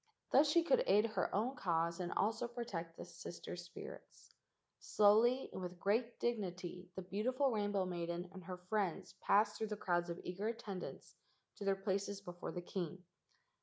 Thus she could aid her own cause and also protect the sister spirits. Slowly and with great dignity the beautiful rainbow maiden and her friends passed through the crowds of eager attendants to their places before the king.